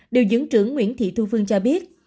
điều dưỡng trưởng nguyễn thị thu phương cho biết